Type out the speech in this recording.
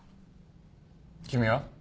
君は？